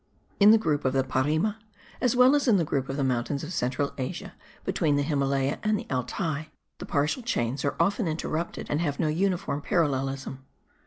In the group of the Parime, as well as in the group of the mountains of central Asia, between the Himalaya and the Altai, the partial chains are often interrupted and have no uniform parallelism.